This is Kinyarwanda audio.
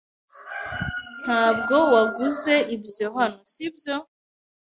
Ntabwo waguze ibyo hano, sibyo?